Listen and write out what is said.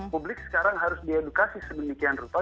publik sekarang harus diedukasi sebegitu brutal